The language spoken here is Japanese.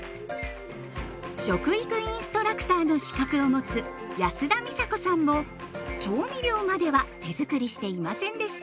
食育インストラクターの資格を持つ安田美沙子さんも調味料までは手づくりしていませんでした。